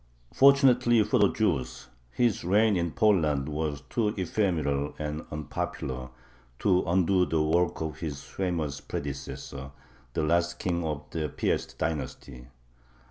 Fortunately for the Jews his reign in Poland was too ephemeral and unpopular to undo the work of his famous predecessor, the last king of the Piast dynasty.